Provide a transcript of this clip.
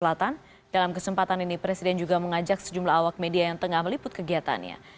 selatan dalam kesempatan ini presiden juga mengajak sejumlah awak media yang tengah meliput kegiatannya